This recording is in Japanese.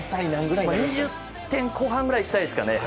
２０点後半ぐらい行きたいですね。